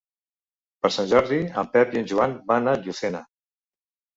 Per Sant Jordi en Pep i en Joan van a Llucena.